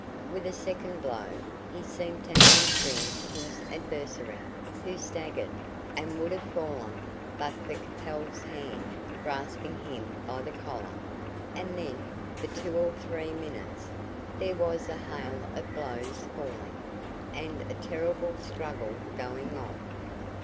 With a second blow, he seemed to hamstring his adversary, who staggered, and would have fallen, but for Capel's hand grasping him by the collar; and then, for two or three minutes, there was a hail of blows falling, and a terrible struggle going on.